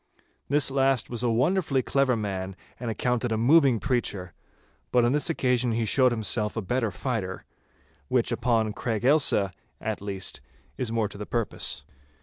This last was a wonderfully clever man and accounted a moving preacher; but on this occasion he showed himself a better fighter—which upon Craig Ailsa, at least, is more to the purpose.